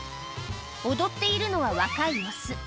踊っているのは若い雄。